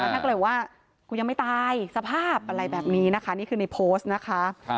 ถ้าเกิดว่ากูยังไม่ตายสภาพอะไรแบบนี้นะคะนี่คือในโพสต์นะคะ